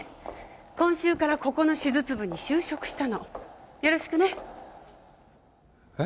今週からここの手術部に就職したのよろしくねえッ？